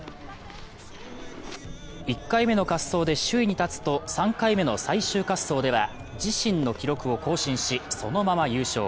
１回目の滑走で首位に立つと３回目の最終滑走では自身の記録を更新し、そのまま優勝。